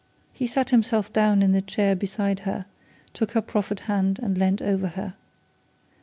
He sat himself down on the chair beside her, and took her proffered hand and leant over her.